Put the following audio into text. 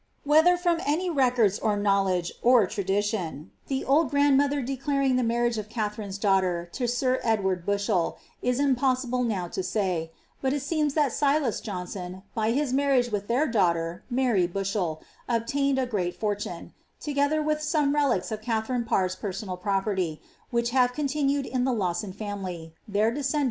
Whether from any records, or knowledge, or tradition, the old gran^ mother declared the marriage of Katharine'^s daughter to sir Edward Bushel, it is impossible now to say ; but it seems that Silas Johnston, by his marriage with their daughter, Mary Bushel, obtained a great fortune* together with some relics of Katharine Parr's personal property, which have continued in the Lawson family, their descendants, ever since.